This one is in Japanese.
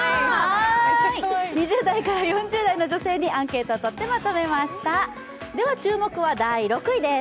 ２０代から４０代の女性にアンケートをとって注目は第６位です。